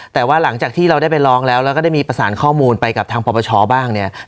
แต่ว่าหลังจากที่เราได้ไปร้องแล้วแล้วก็ได้มีประสานข้อมูลไปกับทางปปชบ้างเนี่ย